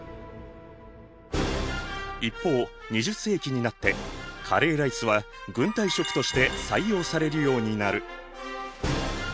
一方２０世紀になってカレーライスは軍隊食として採用されるようになる。